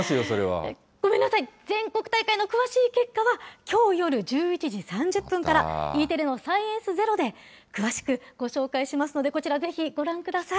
ごめんなさい、全国大会の詳しい結果は、きょう夜１１時３０分から、Ｅテレのサイエンス・ゼロで詳しくご紹介しますので、こちらぜひご覧ください。